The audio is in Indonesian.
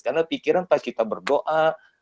karena pikiran ketika kita berdoa